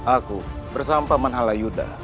aku bersama paman halayuda